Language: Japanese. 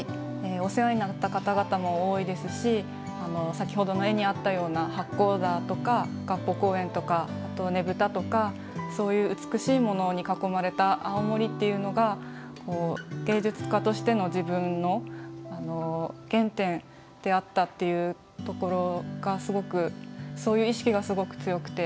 お世話になった方々も多いですし先ほどの絵にあったような八甲田とか合浦公園とかあとねぶたとかそういう美しいものに囲まれた青森っていうのがこう芸術家としての自分のあの原点であったというところがすごくそういう意識がすごく強くて。